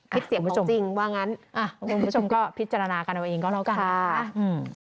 พิษเสียงบอกจริงว่างั้นอ่ะคุณผู้ชมก็พิจารณากันเอาเองก็แล้วกันค่ะอืม